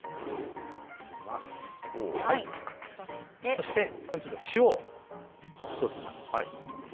そして、塩をひとつまみ。